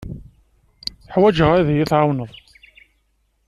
Ḥwajeɣ ad iyi-tɛawneḍ.